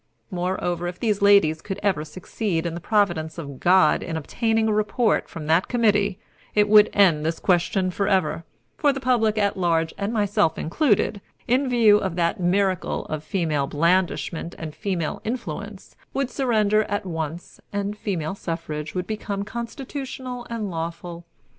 Moreover, if these ladies could ever succeed in the providence of God in obtaining a report from that committee, it would end this question forever; for the public at large and myself included, in view of that miracle of female blandishment and female influence, would surrender at once, and female suffrage would become constitutional and lawful.